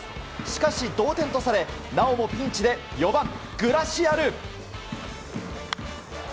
しかし、同点とされなおもピンチで４番、グラシアル。